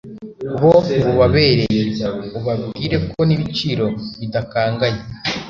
bo ntibubabereye ubabwire ko n'ibiciro bidakanganye.